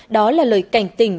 đó là lời cảnh tình